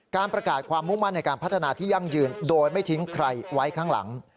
การประกาศความมุ่งมั่นในการพัฒนาที่ยั่งยืนโดยไม่ทิ้งใครไว้ข้างหลัง